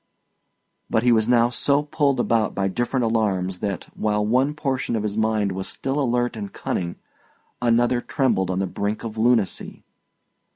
But he was now so pulled about by different alarms that, while one portion of his mind was still alert and cunning, another trembled on the brink of lunacy.